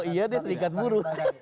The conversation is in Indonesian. kalau iya deh serikat buruh